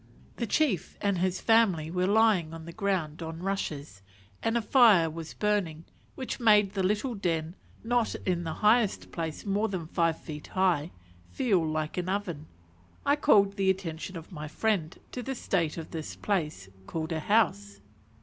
The chief and his family were lying on the ground on rushes, and a fire was burning, which made the little den, not in the highest place more than five feet high, feel like an oven. I called the attention of my friend to the state of this place called a "house."